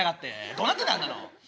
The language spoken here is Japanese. どうなってんだあんなの。